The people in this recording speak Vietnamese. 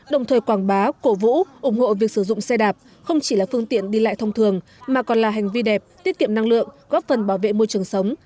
đồng thời quảng bá cổ vũ ủng hộ việc sử dụng xe đạp không chỉ là phương tiện đi lại thông thường mà còn là hành vi đẹp tiết kiệm năng lượng góp phần bảo vệ môi trường sống